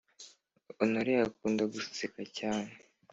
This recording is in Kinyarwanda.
honore akunda guseka cyane